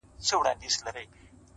تر خپل ځان پسته لكۍ يې كړله لاندي٫